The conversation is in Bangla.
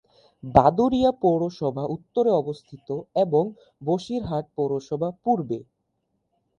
বাদুড়িয়া পৌরসভা উত্তরে অবস্থিত এবং বসিরহাট পৌরসভা পূর্বে।